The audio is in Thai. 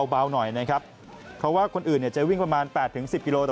เพราะว่าคนอื่นจะวิ่งประมาณ๘๑๐กิโลกรัม